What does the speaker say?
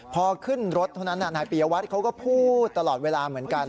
พอขึ้นรถเท่านั้นนายปียวัตรเขาก็พูดตลอดเวลาเหมือนกัน